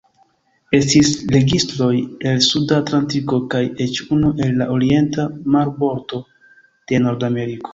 Estis registroj el Suda Atlantiko kaj eĉ unu el la orienta marbordo de Nordameriko.